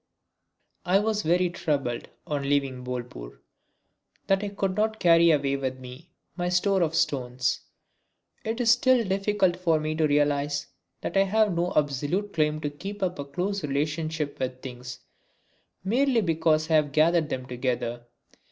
I was very troubled, on leaving Bolpur, that I could not carry away with me my store of stones. It is still difficult for me to realise that I have no absolute claim to keep up a close relationship with things, merely because I have gathered them together.